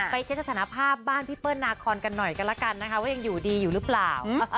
เช็ดสถานภาพบ้านพี่เปิ้ลนาคอนกันหน่อยกันแล้วกันนะคะว่ายังอยู่ดีอยู่หรือเปล่า